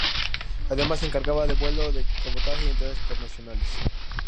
Además se encargaba de vuelos de cabotaje y entregas internacionales.